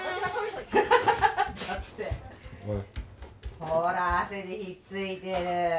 ほら汗でひっついてる。